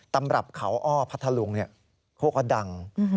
ตำรับเขาอ้อพัทธลุงเขาก็ดัง